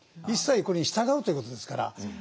一切これに従うということですから。